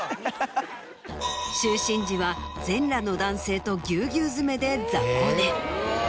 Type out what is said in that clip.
就寝時は全裸の男性とぎゅうぎゅう詰めで雑魚寝。